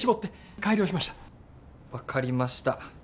分かりました。